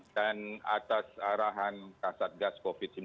dan atas arahan kasatgas covid sembilan belas